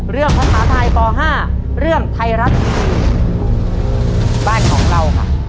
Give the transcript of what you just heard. เรื่องสถาทายป๕เรื่องไทยรัฐบ้านของเราค่ะ